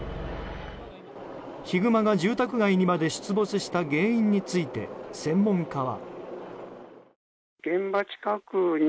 ヒグマが住宅街にまで出没した原因について専門家は。